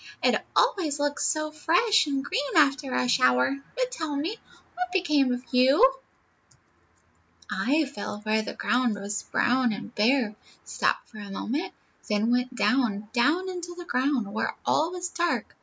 "It always looks so fresh and green after a shower. But, tell me, what became of you?" "I fell where the ground was brown and bare, stopped for a moment, then went down, down into the ground, where all was dark.